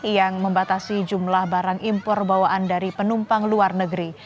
yang membatasi jumlah barang impor bawaan dari penumpang luar negeri